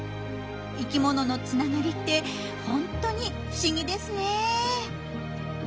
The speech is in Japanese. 生きもののつながりってホントに不思議ですね。